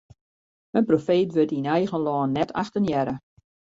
In profeet wurdt yn eigen lân net achtenearre.